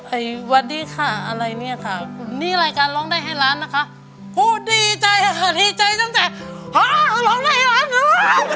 สวัสดีค่ะอะไรเนี่ยค่ะนี่รายการร้องได้ให้ล้านนะคะพูดดีใจค่ะดีใจตั้งแต่พ่อร้องให้ร้านเลย